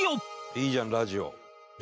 「いいじゃんラジオ」